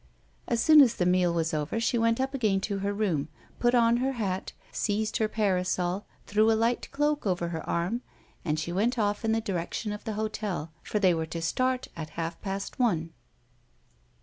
As soon as the meal was over, she went up again to her room, put on her hat, seized her parasol, threw a light cloak over her arm, and she went off in the direction of the hotel, for they were to start at half past one.